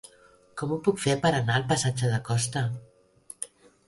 Com ho puc fer per anar al passatge de Costa?